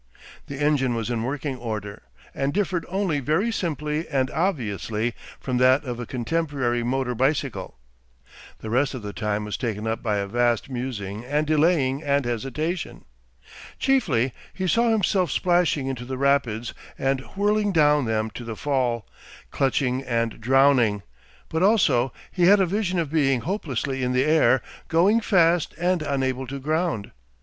The engine was in working order, and differed only very simply and obviously from that of a contemporary motor bicycle. The rest of the time was taken up by a vast musing and delaying and hesitation. Chiefly he saw himself splashing into the rapids and whirling down them to the Fall, clutching and drowning, but also he had a vision of being hopelessly in the air, going fast and unable to ground.